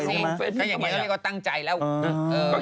ก็คิดว่าดังไม่ดังดังถึงขนาดที่เราต้องเอาข่าวมาอ่าน